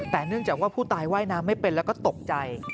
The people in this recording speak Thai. แต่เนื่องจากว่าผู้ตายว่ายน้ำไม่เป็นแล้วก็ตกใจ